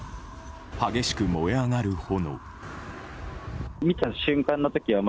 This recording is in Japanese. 激しく燃え上がる炎。